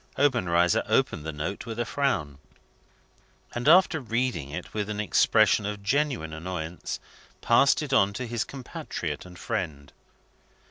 Obenreizer opened the note with a frown; and, after reading it with an expression of genuine annoyance, passed it on to his compatriot and friend.